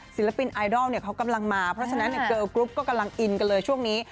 ศิลปินไอดอลเขากำลังมาเพราะฉะนั้นเกิลกรุ๊ปก็กำลังอินกันเลยช่วงนี้